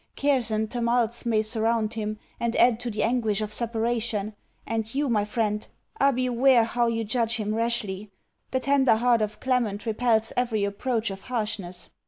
Cares and tumults may surround him, and add to the anguish of separation. And you, my friend, ah beware how you judge him rashly! The tender heart of Clement repels every approach of harshness.